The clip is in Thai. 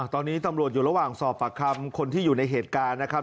ตอนนี้ตำรวจอยู่ระหว่างสอบปากคำคนที่อยู่ในเหตุการณ์นะครับ